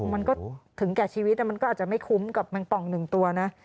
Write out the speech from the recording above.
มันก็ถึงแก่ชีวิตมันก็อาจจะไม่คุ้มกับแมงป่องหนึ่งตัวนะ